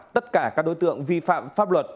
tất cả các đối tượng vi phạm pháp luật